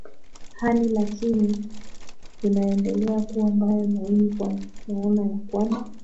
hali lakini inaendelea kuwa mbaya zaidi kwa maana ya kwamba